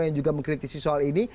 yang juga mengkritisi soal ini